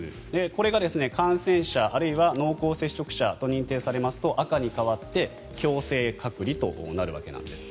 これが感染者、あるいは濃厚接触者と認定されますと赤に変わって強制隔離となるわけなんです。